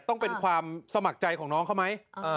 ต้องเป็นความสมัครใจของน้องเขาไหม